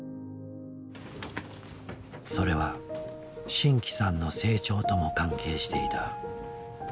それは真気さんの成長とも関係していた。